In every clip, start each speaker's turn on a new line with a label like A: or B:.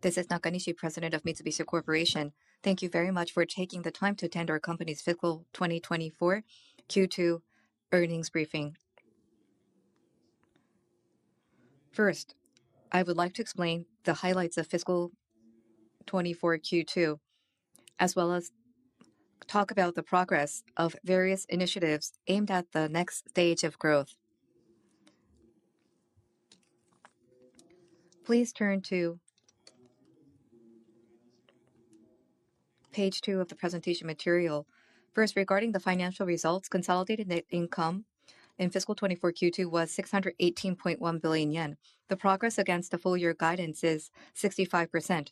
A: This is Nakanishi, President of Mitsubishi Corporation. Thank you very much for taking the time to attend our company's fiscal 2024 Q2 earnings briefing. First, I would like to explain the highlights of fiscal 2024 Q2, as well as talk about the progress of various initiatives aimed at the next stage of growth. Please turn to page two of the presentation material. First, regarding the financial results, consolidated net income in fiscal 2024 Q2 was 618.1 billion yen. The progress against the full-year guidance is 65%,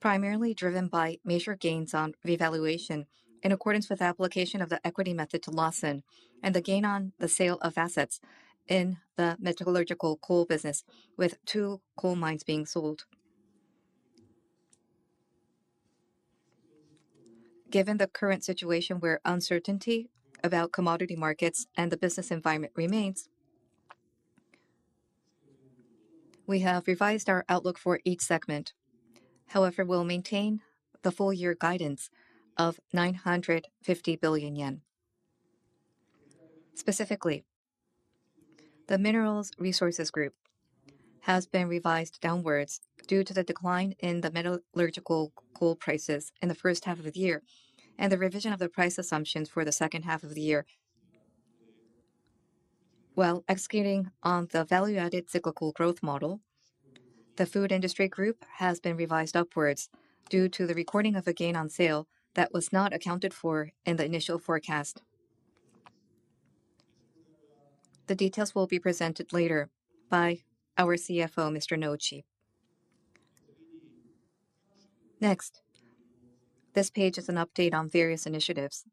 A: primarily driven by major gains on revaluation in accordance with the application of the equity method to Lawson, and the gain on the sale of assets in the metallurgical coal business, with two coal mines being sold. Given the current situation where uncertainty about commodity markets and the business environment remains, we have revised our outlook for each segment. We'll maintain the full-year guidance of 950 billion yen. Specifically, the Mineral Resources Group has been revised downwards due to the decline in the metallurgical coal prices in the first half of the year, and the revision of the price assumptions for the second half of the year. While executing on the value-added cyclical growth model, the Food Industry Group has been revised upwards due to the recording of a gain on sale that was not accounted for in the initial forecast. The details will be presented later by our CFO, Mr. Noji. This page is an update on various initiatives.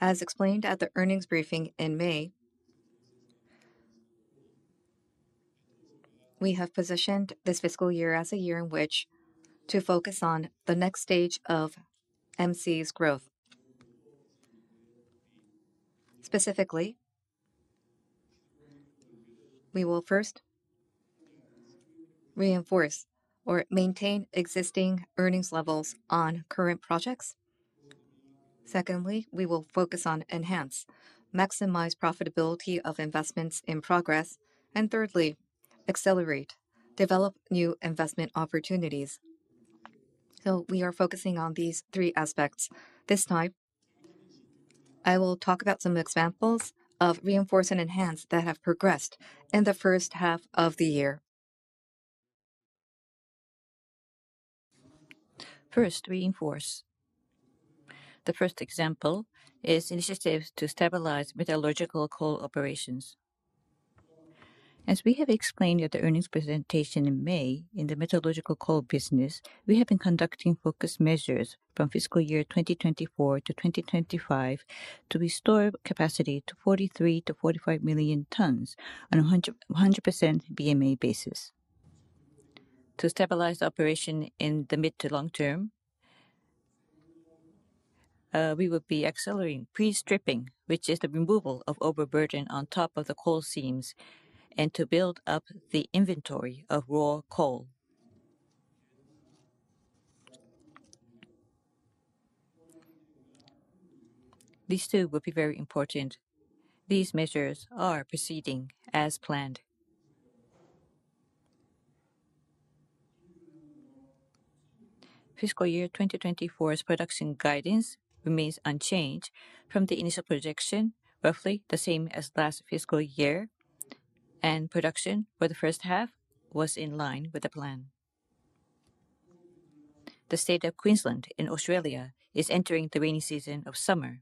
A: As explained at the earnings briefing in May, we have positioned this fiscal year as a year in which to focus on the next stage of MC's growth. Specifically, we will first reinforce or maintain existing earnings levels on current projects. We will focus on enhance, maximize profitability of investments in progress, and develop new investment opportunities. We are focusing on these three aspects. This time, I will talk about some examples of reinforce and enhance that have progressed in the first half of the year. Reinforce. The first example is initiatives to stabilize metallurgical coal operations. As we have explained at the earnings presentation in May, in the metallurgical coal business, we have been conducting focus measures from fiscal year 2024 to 2025 to restore capacity to 43 to 45 million tons on a 100% BMA basis. To stabilize operation in the mid to long term, we will be accelerating pre-stripping, which is the removal of overburden on top of the coal seams, and to build up the inventory of raw coal. These two will be very important. These measures are proceeding as planned. Fiscal year 2024's production guidance remains unchanged from the initial projection, roughly the same as last fiscal year, and production for the first half was in line with the plan. The state of Queensland in Australia is entering the rainy season of summer.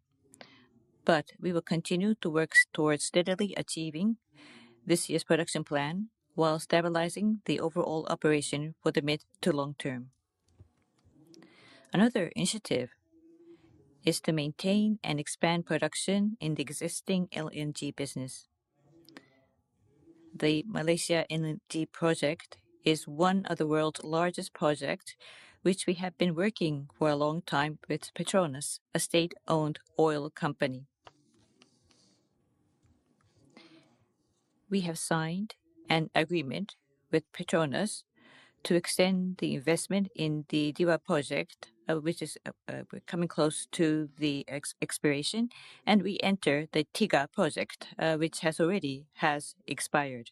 A: We will continue to work towards steadily achieving this year's production plan while stabilizing the overall operation for the mid to long term. Another initiative is to maintain and expand production in the existing LNG business. The Malaysia LNG project is one of the world's largest project, which we have been working for a long time with PETRONAS, a state-owned oil company. We have signed an agreement with PETRONAS to extend the investment in the Dua project, which is coming close to the expiration, and re-enter the Tiga project, which already has expired.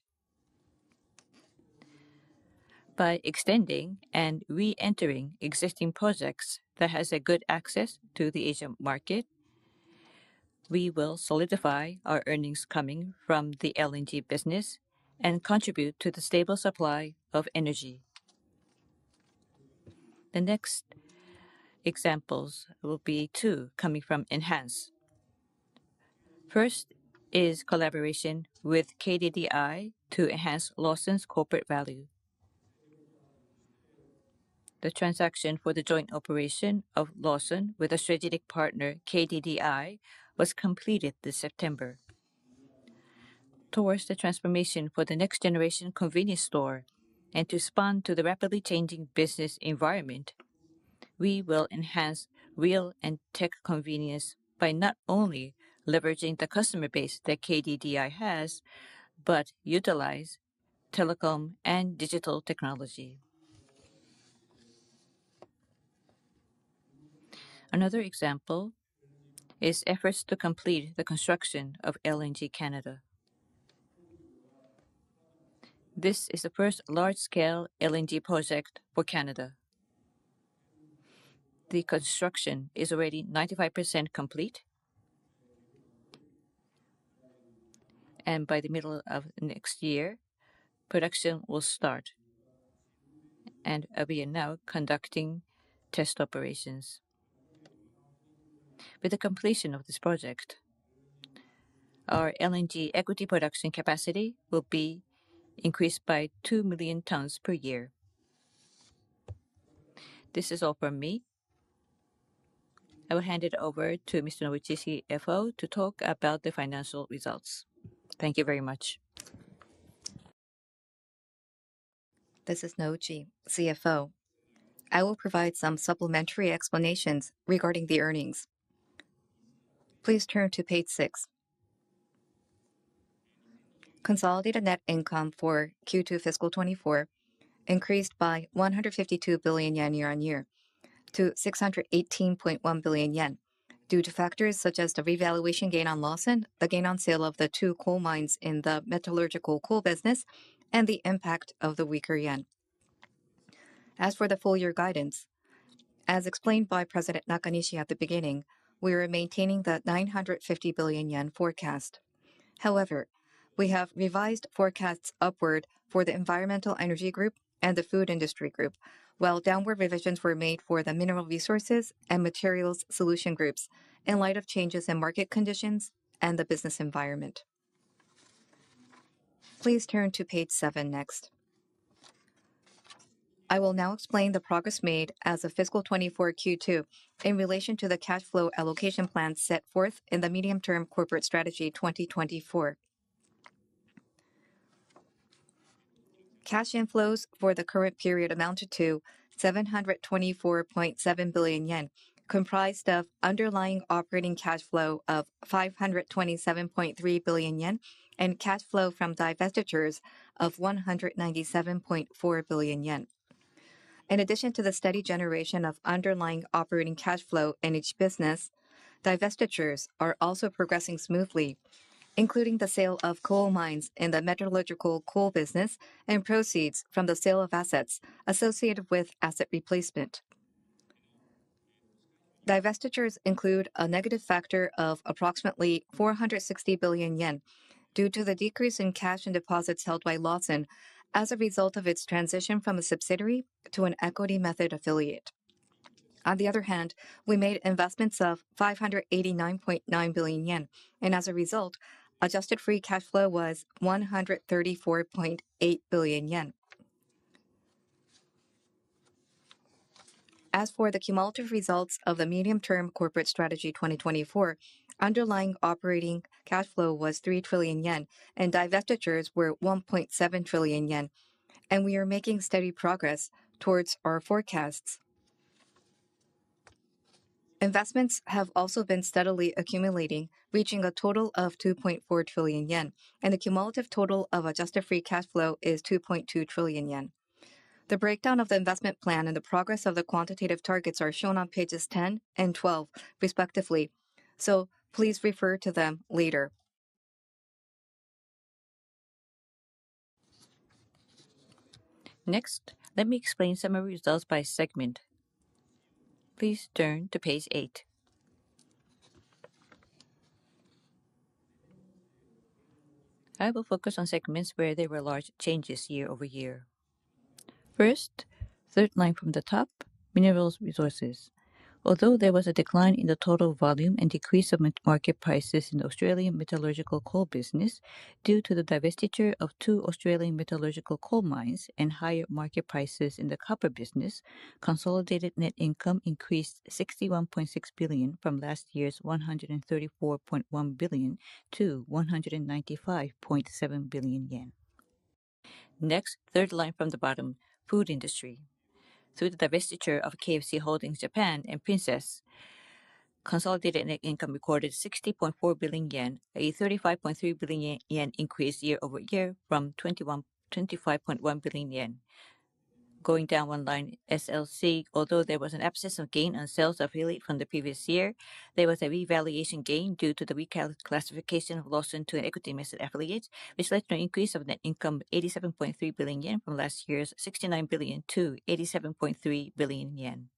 A: By extending and re-entering existing projects that has a good access to the Asian market, we will solidify our earnings coming from the LNG business and contribute to the stable supply of energy. The next examples will be two coming from enhance. First is collaboration with KDDI to enhance Lawson's corporate value. The transaction for the joint operation of Lawson with a strategic partner, KDDI, was completed this September. Towards the transformation for the next-generation convenience store and to respond to the rapidly changing business environment We will enhance real and tech convenience by not only leveraging the customer base that KDDI has, but utilize telecom and digital technology. Another example is efforts to complete the construction of LNG Canada. This is the first large-scale LNG project for Canada. The construction is already 95% complete, and by the middle of next year, production will start, and we are now conducting test operations. With the completion of this project, our LNG equity production capacity will be increased by 2 million tons per year. This is all from me. I will hand it over to Mr. Noji, CFO, to talk about the financial results. Thank you very much.
B: This is Noji, CFO. I will provide some supplementary explanations regarding the earnings. Please turn to page six. Consolidated net income for Q2 fiscal 2024 increased by 152 billion yen year-on-year to 618.1 billion yen due to factors such as the revaluation gain on Lawson, the gain on sale of the two coal mines in the metallurgical coal business, and the impact of the weaker yen. As for the full-year guidance, as explained by President Nakanishi at the beginning, we are maintaining the 950 billion yen forecast. We have revised forecasts upward for the Environmental Energy Group and the Food Industry Group, while downward revisions were made for the Mineral Resources and Materials Solution Groups in light of changes in market conditions and the business environment. Please turn to page seven next. I will now explain the progress made as of fiscal 2024 Q2 in relation to the cash flow allocation plan set forth in the Medium-Term Corporate Strategy 2024. Cash inflows for the current period amounted to 724.7 billion yen, comprised of underlying operating cash flow of 527.3 billion yen and cash flow from divestitures of 197.4 billion yen. In addition to the steady generation of underlying operating cash flow in each business, divestitures are also progressing smoothly, including the sale of coal mines in the metallurgical coal business and proceeds from the sale of assets associated with asset replacement. Divestitures include a negative factor of approximately 460 billion yen due to the decrease in cash and deposits held by Lawson as a result of its transition from a subsidiary to an equity method affiliate. On the other hand, we made investments of 589.9 billion yen, as a result, adjusted free cash flow was 134.8 billion yen. As for the cumulative results of the Medium-Term Corporate Strategy 2024, underlying operating cash flow was 3 trillion yen, divestitures were 1.7 trillion yen, and we are making steady progress towards our forecasts. Investments have also been steadily accumulating, reaching a total of 2.4 trillion yen, and the cumulative total of adjusted free cash flow is 2.2 trillion yen. The breakdown of the investment plan and the progress of the quantitative targets are shown on pages 10 and 12, respectively, please refer to them later. Let me explain summary results by segment. Please turn to page eight. I will focus on segments where there were large changes year-over-year. First, third line from the top, Mineral Resources. Although there was a decline in the total volume and decrease of market prices in the Australian metallurgical coal business due to the divestiture of two Australian metallurgical coal mines and higher market prices in the copper business, consolidated net income increased 61.6 billion from last year's 134.1 billion to 195.7 billion yen. Third line from the bottom, Food Industry. Through the divestiture of KFC Holdings Japan and Princes, consolidated net income recorded 60.4 billion yen, a 35.3 billion yen increase year-over-year from 25.1 billion yen. Going down one line, SLC, although there was an absence of gain on sales of affiliate from the previous year, there was a revaluation gain due to the reclassification of Lawson to an equity method affiliate, which led to an increase of net income 87.3 billion yen from last year's 69 billion to 87.3 billion yen.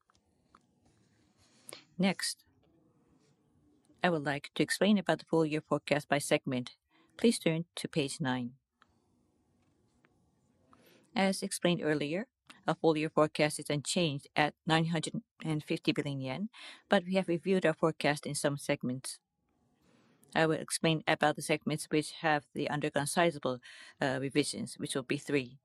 B: I would like to explain about the full year forecast by segment. Please turn to page nine. As explained earlier, our full year forecast is unchanged at 950 billion yen, we have reviewed our forecast in some segments. I will explain about the segments which have undergone sizable revisions, which will be three.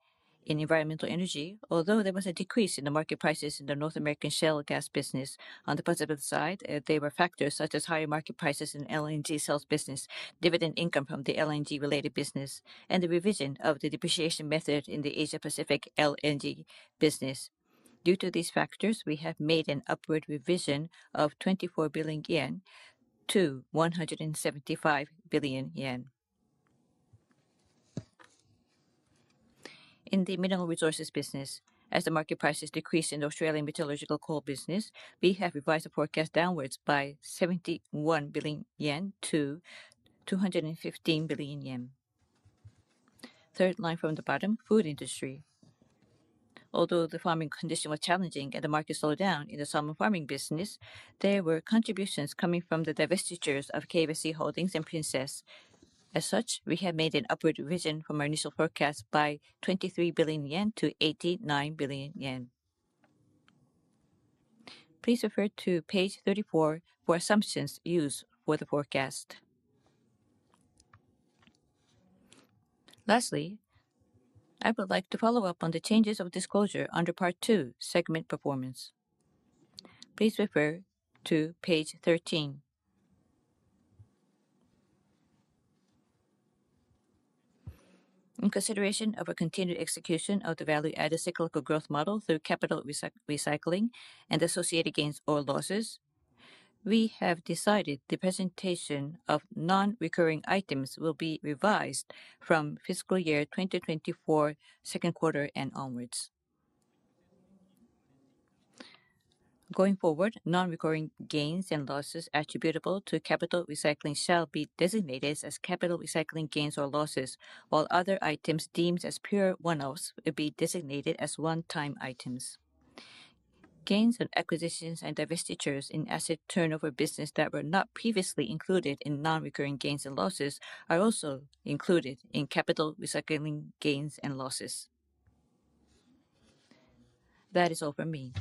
B: In Environmental Energy, although there was a decrease in the market prices in the North American shale gas business, on the positive side, there were factors such as higher market prices in LNG sales business, dividend income from the LNG-related business, and the revision of the depreciation method in the Asia-Pacific LNG business. Due to these factors, we have made an upward revision of 24 billion yen to 175 billion yen. In the Mineral Resources business, as the market prices decreased in the Australian metallurgical coal business, we have revised the forecast downwards by 71 billion yen to 215 billion yen. Third line from the bottom, Food Industry. Although the farming condition was challenging and the market slowed down in the salmon farming business, there were contributions coming from the divestitures of KFC Holdings and Princes. As such, we have made an upward revision from our initial forecast by 23 billion yen to 89 billion yen. Please refer to page 34 for assumptions used for the forecast. Lastly, I would like to follow up on the changes of disclosure under Part two, Segment Performance. Please refer to page 13. In consideration of a continued execution of the value-added cyclical growth model through capital recycling and associated gains or losses, we have decided the presentation of non-recurring items will be revised from fiscal year 2024 second quarter and onwards. Going forward, non-recurring gains and losses attributable to capital recycling shall be designated as capital recycling gains or losses, while other items deemed as pure one-offs will be designated as one-time items. Gains on acquisitions and divestitures in asset turnover business that were not previously included in non-recurring gains and losses are also included in capital recycling gains and losses. That is all from me.